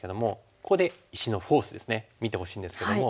ここで石のフォースですね見てほしいんですけども。